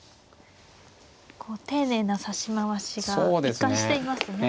こう丁寧な指し回しが一貫していますね。